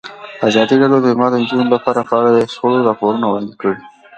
ازادي راډیو د تعلیمات د نجونو لپاره په اړه د شخړو راپورونه وړاندې کړي.